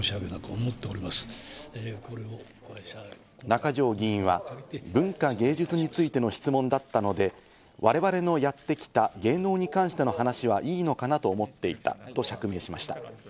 中条議員は文化芸術についての質問だったので、我々のやってきた芸能に関しての話はいいのかなと思っていたと釈明しました。